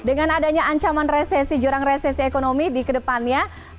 dengan adanya ancaman resesi jurang resesi ekonomi di kedepannya